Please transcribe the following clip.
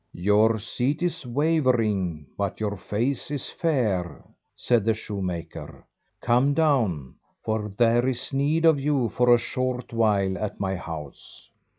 "Your seat is wavering, but your face is fair," said the shoemaker. "Come down, for there is need of you for a short while at my house."